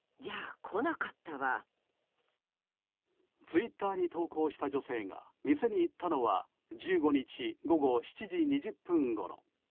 ツイッターに投稿した女性が店に行ったのは１５日、午後７時２０分ごろ。